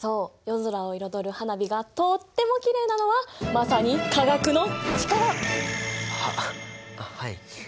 夜空を彩る花火がとってもきれいなのはまさに化学の力！ははい。